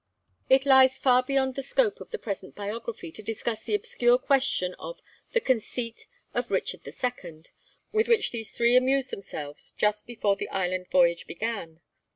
It lies far beyond the scope of the present biography to discuss the obscure question of 'the conceit of Richard the Second' with which these three amused themselves just before the Islands Voyage began.